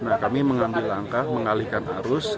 nah kami mengambil langkah mengalihkan arus